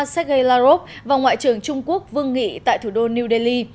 sergei lavrov và ngoại trưởng trung quốc vương nghị tại thủ đô new delhi